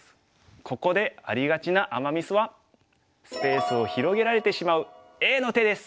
ここでありがちなアマ・ミスはスペースを広げられてしまうＡの手です。